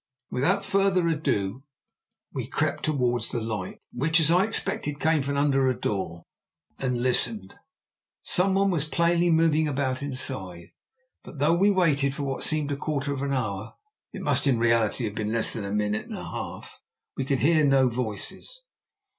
Without further ado we crept towards the light, which, as I expected, came from under a door, and listened. Some one was plainly moving about inside; but though we waited for what seemed a quarter of an hour, but must in reality have been less than a minute and a half, we could hear no voices.